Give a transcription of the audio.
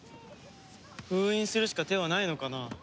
封印するしか手はないのかな？